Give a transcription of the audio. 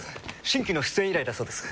新規の出演依頼だそうです。